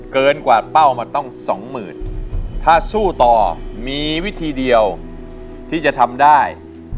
เกินกว่าเป้ามันต้องสองหมื่นถ้าสู้ต่อมีวิธีเดียวที่จะทำได้